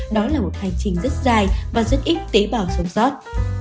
đó là một hành trình rất dài và rất ít tế bào sống sót